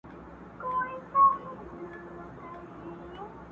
زه پر خپلي ناشکرۍ باندي اوس ژاړم!.